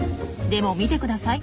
でも見てください。